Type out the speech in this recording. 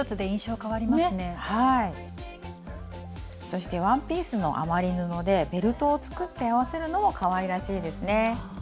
そしてワンピースの余り布でベルトを作って合わせるのもかわいらしいですね。